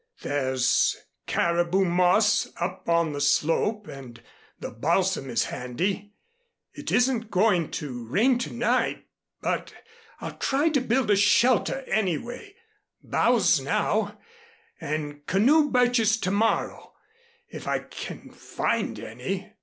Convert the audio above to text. There's caribou moss up on the slope and the balsam is handy. It isn't going to rain to night, but I'll try to build a shelter anyway boughs now and canoe birches to morrow, if I can find any.